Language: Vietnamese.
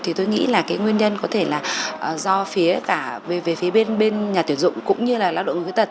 thì tôi nghĩ là cái nguyên nhân có thể là do phía cả về phía bên nhà tuyển dụng cũng như là lao động người khuyết tật